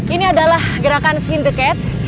ini adalah gerakan scene the cat